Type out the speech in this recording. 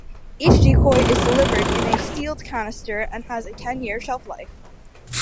Each decoy is delivered in a sealed canister and has a ten-year shelf life.